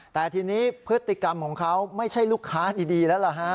แต่ทีนี้พฤติกรรมของเขาไม่ใช่ลูกค้าดีแล้วล่ะฮะ